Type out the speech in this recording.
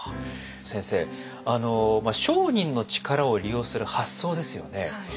先生商人の力を利用する発想ですよね。